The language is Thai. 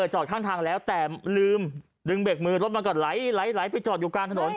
จอดข้างทางแล้วแต่ลืมดึงเบรกมือรถมันก็ไหลไปจอดอยู่กลางถนน